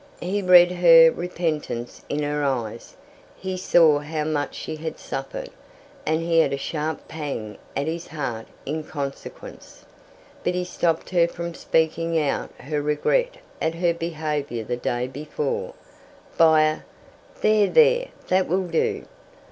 He read her repentance in her eyes; he saw how much she had suffered; and he had a sharp pang at his heart in consequence. And he stopped her from speaking out her regret at her behaviour the day before, by a "There, there, that will do.